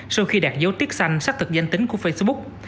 sau khi đạt dấu tiết xanh xác thực danh tính của facebook